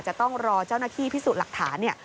จะต้องรอเจ้าหน้าที่พิสูจน์หลักฐานเนี่ย